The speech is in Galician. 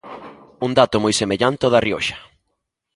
Un dato moi semellante ao da Rioxa.